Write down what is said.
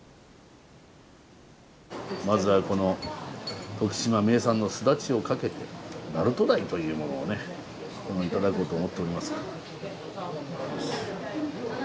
まずはこの徳島名産のすだちをかけて鳴門ダイというものをね頂こうと思っております。